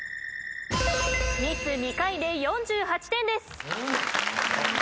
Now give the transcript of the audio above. ミス２回で４８点です。